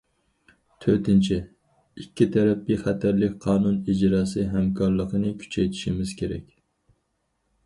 تۆتىنچى، ئىككى تەرەپ بىخەتەرلىك قانۇن ئىجراسى ھەمكارلىقىنى كۈچەيتىشىمىز كېرەك.